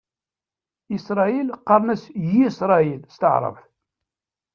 Iṣṛayil qqaṛen-as "Yisṛayil" s tɛebrit.